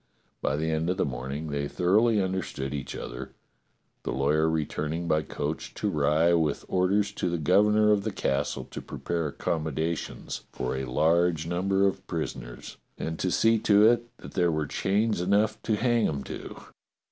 By the end of the morning they thor oughly understood each other, the lawyer returning by coach to Rye with orders to the governor of the castle to prepare accommodation for a large number of prisoners and to see to it that there were chains enough to hang 'em to.